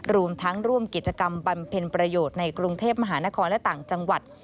รวมทั้งร่วมกิจกรรมบำเพ็ญประโยชน์ในกรุงเทพมหานครและต่างจังหวัด